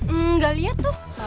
enggak liat tuh